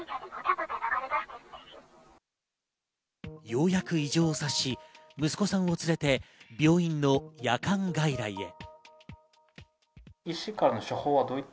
ようやく異常を察し、息子さんを連れて病院の夜間外来へ。